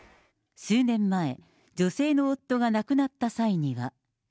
数年前、女性の夫が亡くなった際には。